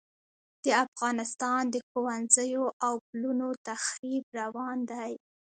د افغانستان د ښوونځیو او پلونو تخریب روان دی.